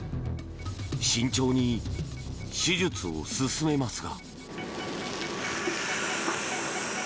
慎重に手術を進めますが。